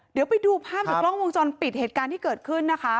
เดี๋ยวไปดูภาพจากกล้องวงจรปิดเหตุการณ์ที่เกิดขึ้นนะคะ